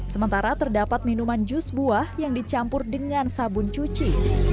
sementara terdapat minuman jus buah yang dicampur dengan sabun cuci